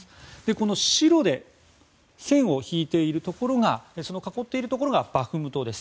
この白で線を引いているところ囲っているところがバフムトです。